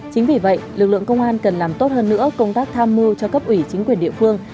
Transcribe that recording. chính vì vậy lực lượng công an cần làm tốt hơn nữa công tác tham mưu cho cấp ủy chính quyền địa phương